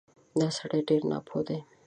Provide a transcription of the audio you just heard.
دا سړی ډېر ناپوه دی